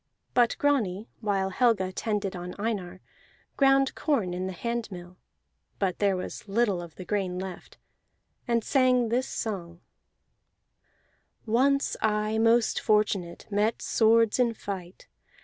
But Grani, while Helga tended on Einar, ground corn in the handmill (but there was little of the grain left) and sang this song: "Once I, most fortunate, Met swords in fight.